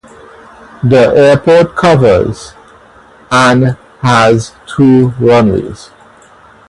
The airport covers and has two runways.